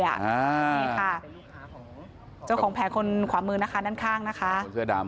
นี่ค่ะเจ้าของแผงคนขวามือนะคะด้านข้างนะคะ